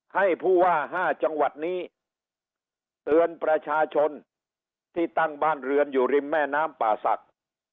ให้ผู้ว่า๕จังหวัดนี้เตือนประชาชนที่ตั้งบ้านเรือนอยู่ริมแม่น้ำป่าศักดิ์